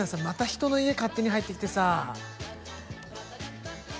また人の家勝手に入ってきてさ。